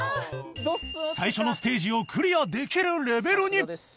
最初のステージをクリアできるレベルに